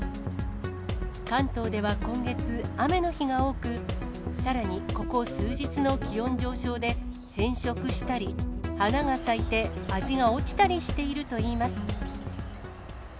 関東では今月、雨の日が多く、さらに、ここ数日の気温上昇で、変色したり、花が咲いて味が落ちたりしているといいます。